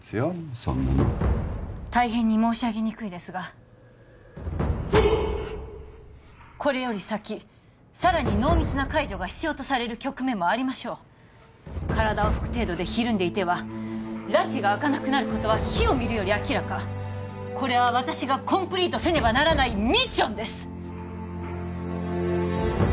そんなの大変に申し上げにくいですがこれより先さらに濃密な介助が必要とされる局面もありましょう体を拭く程度でひるんでいてはらちが明かなくなることは火を見るより明らかこれは私がコンプリートせねばならないミッションです